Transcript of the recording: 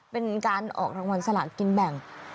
เป็นการออกรางวัลสลากินแบ่ง